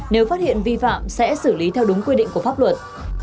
nếu phát hiện vi phạm sẽ xử lý theo đúng quy định của pháp luật